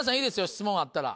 質問あったら。